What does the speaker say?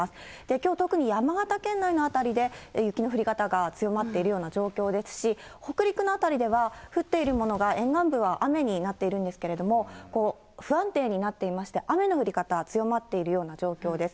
きょう、特に山形県内の辺りで雪の降り方が強まっているような状況ですし、北陸の辺りでは、降っているものが、沿岸部は雨になっているんですけれども、不安定になっていまして、雨の降り方、強まっているような状況です。